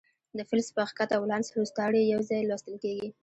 د فلز په ښکته ولانس روستاړي یو ځای لوستل کیږي.